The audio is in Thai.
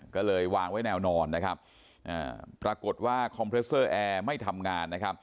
ก็เลยวางไว้แนวนอนปรากฏว่าคอมเพรสเซอร์แอร์ไม่ทำงาน